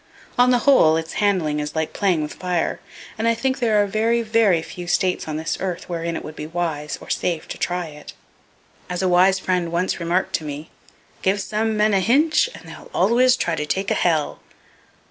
On the whole, its handling is like playing with fire, and I think there are very, very few states on this earth wherein it would be wise or safe to try it. As a wise friend once remarked to me, "Give some men a hinch, and they'll always try to take a hell."